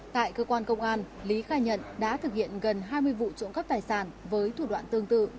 tại cơ quan công an lý khai nhận đã thực hiện gần hai mươi vụ trộm cắp tài sản với thủ đoạn tương tự